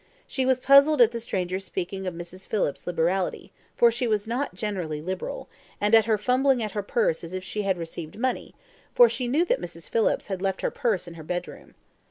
She was puzzled at the stranger's speaking of Mrs. Phillips's liberality for she was not generally liberal and at her fumbling at her purse as if she had received money, for she knew that Mrs. Phillips had left her purse in her bedroom.